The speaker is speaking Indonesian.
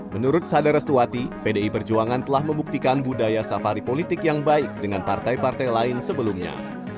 menurut sada restuati pdi perjuangan telah membuktikan budaya safari politik yang baik dengan partai partai lain sebelumnya